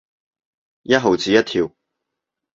一毫子一條